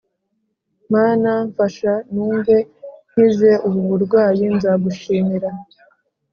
Mana yanjye mfasha numve nkize ubu burwayi nzagushimira.